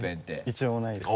一度もないです。